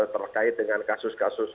terkait dengan kasus kasus